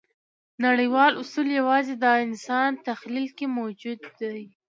نړیوال اصول یواځې د انسان تخیل کې موجود دي.